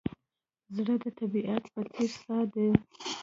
زړه د طبیعت په څېر ساده دی.